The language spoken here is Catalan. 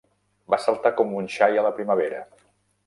Va saltar com un xai a la primavera.